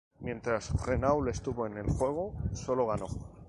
Mientras Renault estuvo en el juego, sólo ganó.